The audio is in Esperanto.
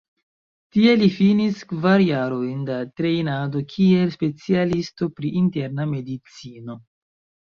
Tie li finis kvar jarojn da trejnado kiel specialisto pri interna medicino.